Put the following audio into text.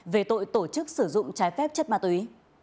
về tội tổ chức sử dụng trái phép chất ma túy